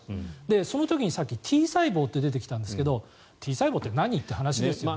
その時にさっき、Ｔ細胞って出てきたんですがＴ細胞って何？という話ですよね。